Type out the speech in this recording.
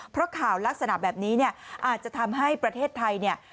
เพราะข่าวลักษณะแบบนี้อาจจะทำให้ประเทศไทย